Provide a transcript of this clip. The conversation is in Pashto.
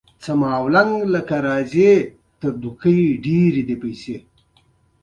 د مېلو له پاره ځيني خلک شعر، نثر یا ترانې تیاروي.